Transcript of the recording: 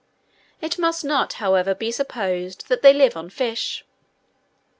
It must not, however, be supposed that they live on fish.